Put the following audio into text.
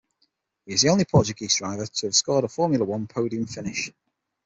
He is the only Portuguese driver to have scored a Formula One podium finish.